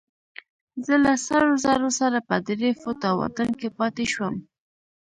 زه له سرو زرو سره په درې فوټه واټن کې پاتې شوم.